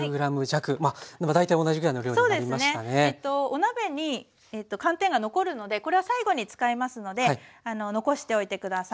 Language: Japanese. お鍋に寒天が残るのでこれは最後に使いますので残しておいて下さい。